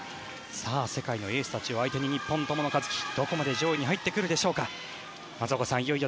さあ、世界のエースたちを相手に日本、友野一希はどこまで上位に入ってくるでしょうか。